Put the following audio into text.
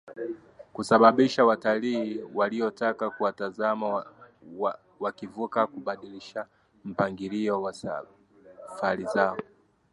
kusababisha watalii waliotaka kuwatazama wakivuka kubadilisha mpangilio wa safari zao